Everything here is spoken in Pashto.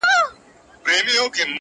مسافرۍ كي يك تنها پرېږدې.